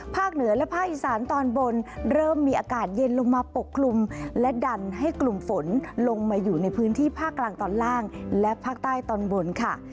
เหนือและภาคอีสานตอนบนเริ่มมีอากาศเย็นลงมาปกคลุมและดันให้กลุ่มฝนลงมาอยู่ในพื้นที่ภาคกลางตอนล่างและภาคใต้ตอนบนค่ะ